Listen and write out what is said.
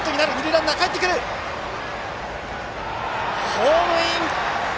ホームイン！